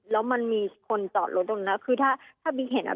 แล้วมันมีคนจอดรถตรงนั้นคือถ้าถ้าบิ๊กเห็นอ่ะ